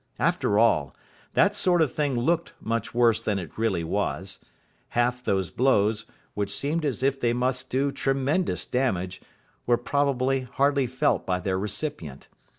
After all, that sort of thing looked much worse than it really was. Half those blows, which seemed as if they must do tremendous damage, were probably hardly felt by their recipient.